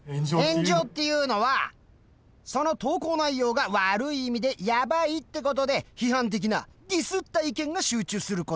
炎上っていうのはその投稿内容が悪い意味でやばいってことで批判的なディスった意見が集中すること。